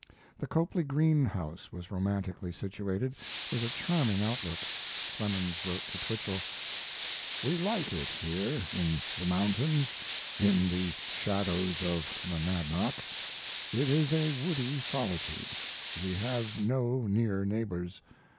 The Copley Greene house was romantically situated, with a charming outlook. Clemens wrote to Twichell: We like it here in the mountains, in the shadows of Monadnock. It is a woody solitude. We have no near neighbors.